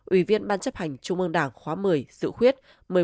ủy viên ban chấp hành trung ương đảng khóa một mươi dự khuyết